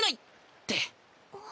って。